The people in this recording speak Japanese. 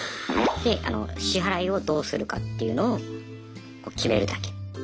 で支払いをどうするかっていうのを決めるだけ。